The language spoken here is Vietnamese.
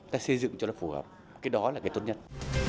ta xây dựng cho nó phù hợp cái đó là cái tốt nhất